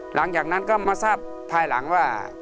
หลังจากนั้นก็มาทราบภายหลังว่า